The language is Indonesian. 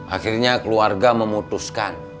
akhirnya keluarga memutuskan